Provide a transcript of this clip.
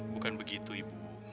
bukan begitu ibu